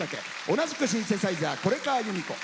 同じくシンセサイザー是川由美子。